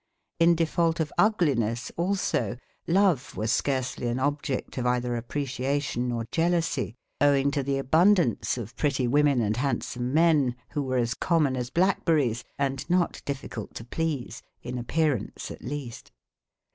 In default of ugliness, also, love was scarcely an object of either appreciation or jealousy, owing to the abundance of pretty women and handsome men who were as common as blackberries and not difficult to please, in appearance at least.